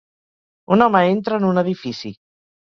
Un home entra en un edifici.